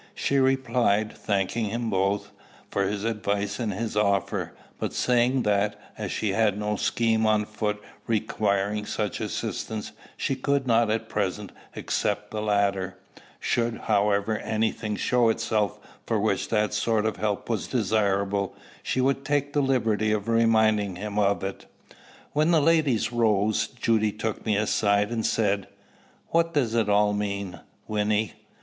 She replied, thanking him both, for his advice and his offer, but saying that, as she had no scheme on foot requiring such assistance, she could not at present accept the latter; should, however, any thing show itself for which that sort of help was desirable, she would take the liberty of reminding him of it. When the ladies rose, Judy took me aside, and said, "What does it all mean, Wynnie?"